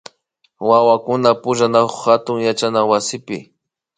Wawakuna pukllanakun hatun yachana wasipi